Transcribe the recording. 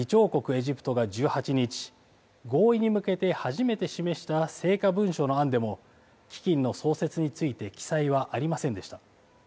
エジプトが１８日、合意に向けて初めて示した成果文書の案でも、基金の創設について記載はありませんでした。